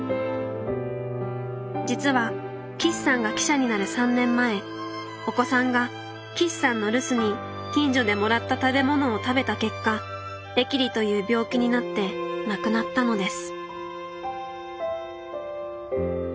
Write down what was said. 実は岸さんが記者になる３年前お子さんが岸さんの留守に近所でもらった食べ物を食べた結果疫痢という病気になって亡くなったのです